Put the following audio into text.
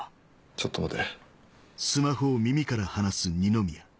ちょっと待て。